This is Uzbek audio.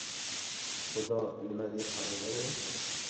Xudo nima deb qarg‘agan-ye?